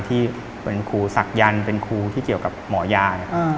ที่เป็นครูศักยันต์เป็นครูที่เกี่ยวกับหมอยา